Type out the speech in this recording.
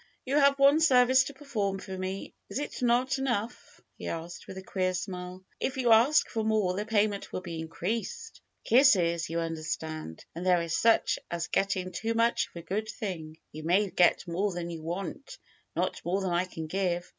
"You have one service to perform for me, is it not enough?'^ he asked with a queer smile. "If you ask for more the payment will be increased ; kisses, you un derstand ; and there is such a thing as getting too much of a good thing. You may get more than you want; not more than I can give.